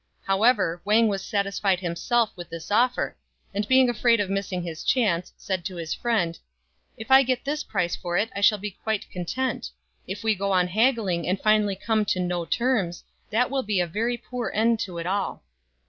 However, Wang was satisfied himself with this offer, and being afraid of missing his chance, said to his friend, " If I get this price for it I shall be quite content. If we go on haggling and finally come to no terms, that will be a very poor end to it all."